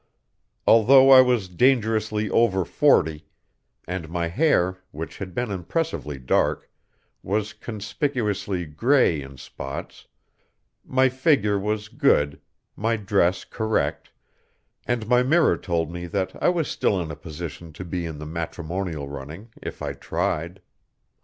Although I was dangerously over forty, and my hair, which had been impressively dark, was conspicuously gray in spots, my figure was good, my dress correct, and my mirror told me that I was still in a position to be in the matrimonial running if I tried.